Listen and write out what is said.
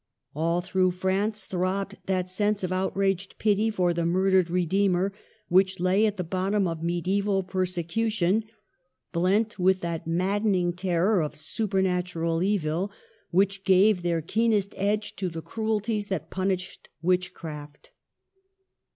All through France throbbed that sense of outraged pity for the murdered Redeemer which lay at the bottom of mediaeval persecution, blent with that maddening terror of Supernatural Evil, which gave their keenest edge to the cruelties that punished witchcraft.